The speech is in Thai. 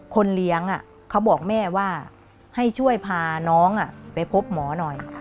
คนเลี้ยงเขาบอกแม่ว่าให้ช่วยพาน้องไปพบหมอหน่อย